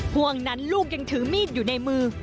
ห่วงนั้นลูกยังถือมีดอยู่ในมือ